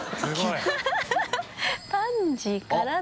パンジーからの。